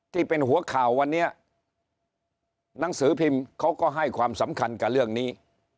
ที่เป็นหัวข่าววันนี้หนังสือพิมพ์เขาก็ให้ความสำคัญกับเรื่องนี้